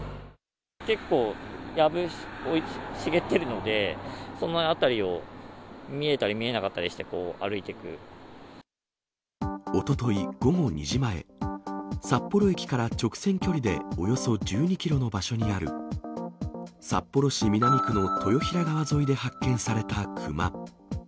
結構、やぶ茂っているので、その辺りを、見えたり見えなかったりして歩いおととい午後２時前、札幌駅から直線距離でおよそ１２キロの場所にある、札幌市南区の豊平川沿いで発見されたクマ。